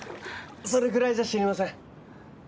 それぐらいじゃ死にません。